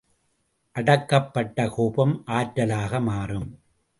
அடக்கப் பட்ட கோபம் ஆற்றலாக மாறும்!